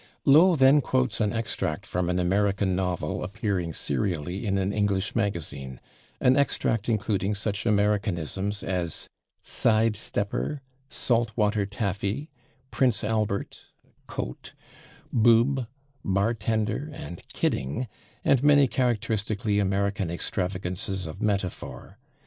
Low then quotes an extract from an American novel appearing [Pg014] serially in an English magazine an extract including such Americanisms as /side stepper/, /saltwater taffy/, /Prince Albert/ (coat), /boob/, /bartender/ and /kidding/, and many characteristically American extravagances of metaphor.